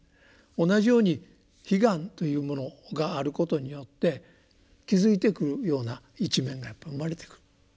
同じように悲願というものがあることによって気付いてくるような一面が生まれてくる。